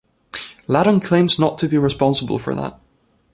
Ladon claims not to be responsible for that.